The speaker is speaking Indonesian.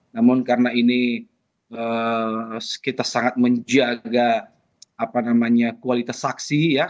namun karena ini kita sangat menjaga kualitas saksi ya menjaga supaya tidak terpengaruh